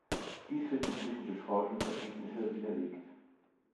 Dies wird inzwischen durch Forschungsergebnisse widerlegt.